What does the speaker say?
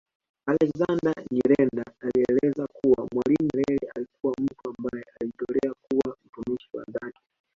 Alexander Nyirenda alieleza kuwa Mwalimu Nyerere alikuwa mtu ambaye alijitolea kuwa mtumishi wa dhati